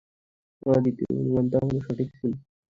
আমার দ্বিতীয় অনুমান তাহলে সঠিক ছিল।